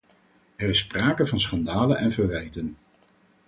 Er is sprake van schandalen en verwijten.